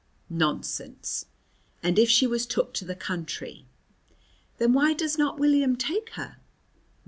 "Nonsense." "And if she was took to the country." "Then why does not William take her?"